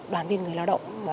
đoàn viên người lao động